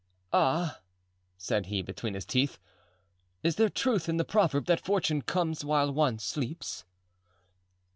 "Ah," said he, between his teeth, "is there truth in the proverb that fortune comes while one sleeps?"